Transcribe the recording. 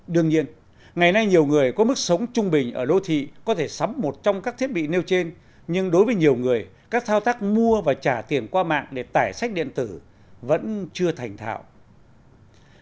đương nhiên ngày nay nhiều người có mức sống trung bình ở đô thị có thể sắm một trong các thiết bị nêu trên nhưng đối với nhiều người các thao tác mua và trả tiền qua mạng để tải sách điện tử vẫn chưa thành thạo